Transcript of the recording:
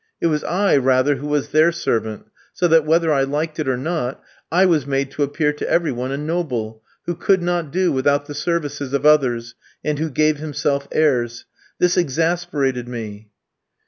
It was I rather who was their servant; so that, whether I liked it or not, I was made to appear to every one a noble, who could not do without the services of others, and who gave himself airs. This exasperated me.